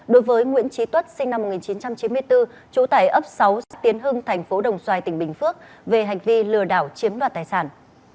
đối với nguyễn trí tuất sinh năm một nghìn chín trăm chín mươi bốn trú tải ấp sáu xã tiến hưng thành phố đồng xoài tỉnh bình phước về hành vi lừa đảo chiếm đoạt tài sản